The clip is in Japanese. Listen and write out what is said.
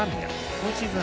今シーズン